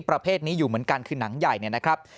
ประเภทนี้อยู่เหมือนกันคือหนังใหญ่เนี่ยนะครับ